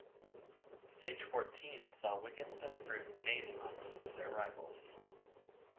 Stage fourteen saw Wiggins and Froome gaining on most of their rivals.